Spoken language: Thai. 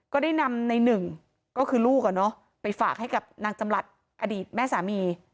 ก็ได้นำในหนึ่งก็คือลูกไปฝากให้กับนางจำหลัดอดีตแม่สามี